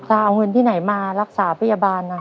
จะเอาเงินที่ไหนมารักษาพยาบาลนะ